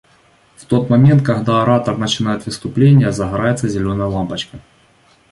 В тот момент, когда оратор начинает выступление, загорается зеленая лампочка.